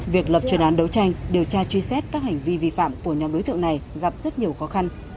việc lập chuyên án đấu tranh điều tra truy xét các hành vi vi phạm của nhóm đối tượng này gặp rất nhiều khó khăn